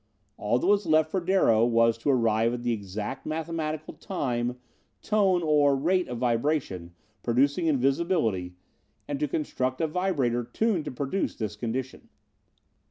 All that was left for Darrow was to arrive at the exact mathematical time, tone, or rate of vibration producing invisibility and to construct a vibrator tuned to produce this condition.